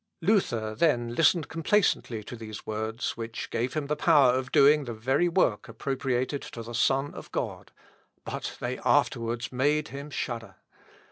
Luther then listened complacently to these words, which gave him the power of doing the very work appropriated to the Son of God; but they afterwards made him shudder.